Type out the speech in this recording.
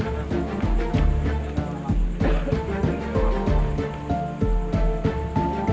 cukup parah di sana